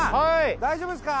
大丈夫ですか？